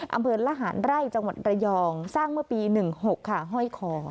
อำเภอละหารไร่จังหวัดระยองสร้างเมื่อปี๑๖ค่ะห้อยคอ